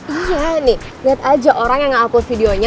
iya nih liat aja orang yang nge upload videonya